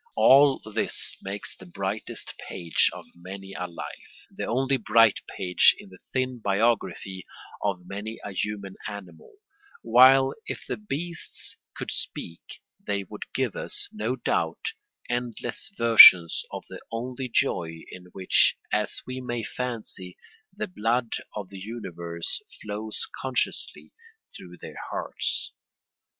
All this makes the brightest page of many a life, the only bright page in the thin biography of many a human animal; while if the beasts could speak they would give us, no doubt, endless versions of the only joy in which, as we may fancy, the blood of the universe flows consciously through their hearts.